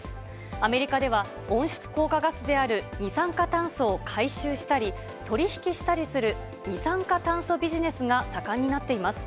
アメリカでは温室効果ガスである二酸化炭素を回収したり、取り引きしたりする二酸化炭素ビジネスが盛んになっています。